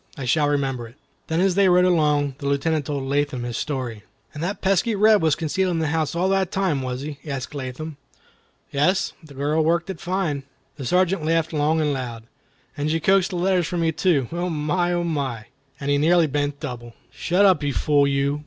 I shall remember it." Then as they rode along, the Lieutenant told Latham his story. "And that pesky Reb was concealed in the house all the time, was he?" asked Latham. "Yes; the girl worked it fine." The Sergeant laughed long and loud. "And she coaxed the letters from you too. Oh, my! Oh, my!" And he nearly bent double. "Shut up, you fool you!"